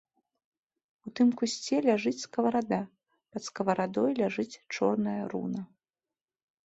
У тым кусце ляжыць скаварада, пад скаварадой ляжыць чорная руна.